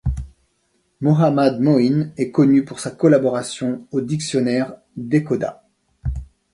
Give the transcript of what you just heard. Mohammad Moin est connu pour sa collaboration au Dictionnaire Dehkhoda.